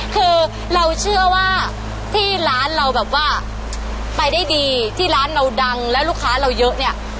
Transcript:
คือเราเชื่อว่าที่ร้านเราแบบว่าไปได้ดีที่ร้านเราดังแล้วลูกค้าเราเยอะเนี่ย